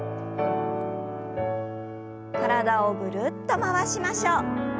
体をぐるっと回しましょう。